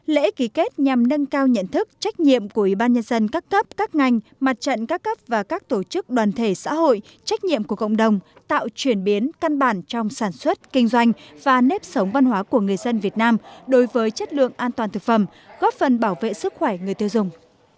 lễ ký kết nhằm nâng cao nhận thức trách nhiệm của ủy ban nhân dân các cấp các ngành mặt trận các cấp và các tổ chức đoàn thể xã hội trách nhiệm của cộng đồng tạo chuyển biến căn bản trong sản xuất kinh doanh và nếp sống văn hóa của người dân việt nam đối với chất lượng an toàn thực phẩm góp phần bảo vệ sức khỏe người tiêu dùng